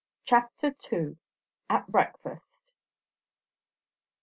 CHAPTER II. AT BREAKFAST.